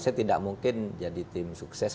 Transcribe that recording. saya tidak mungkin jadi tim sukses